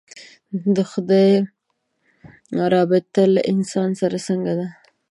د خدای رابطه له انسان سره څرنګه ده.